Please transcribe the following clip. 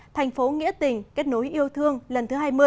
thành phố nghĩa tình kết nối yêu thương lần thứ hai mươi